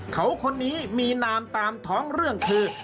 เขาคนนี้มีนามตามท้องเรื่องคือ